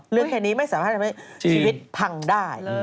แค่นี้ไม่สามารถทำให้ชีวิตพังได้